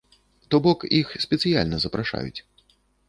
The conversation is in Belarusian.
То бок, іх спецыяльна запрашаюць.